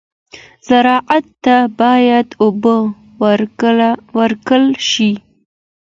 زراعت ته باید اوبه ورکړل شي.